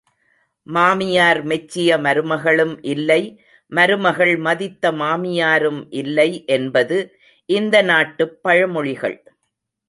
மாமியார் மெச்சிய மருமகளும் இல்லை மருமகள் மதித்த மாமியாரும் இல்லை என்பது இந்த நாட்டுப் பழமொழிகள்.